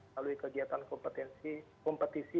melalui kegiatan kompetisi